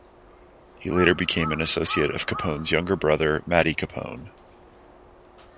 He later became an associate of Capone's younger brother, Mattie Capone.